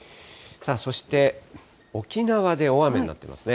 そして、沖縄で大雨になっていますね。